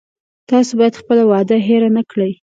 تاسو باید خپله وعده هیره نه کړی